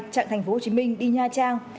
trạng tp hcm đi nha trang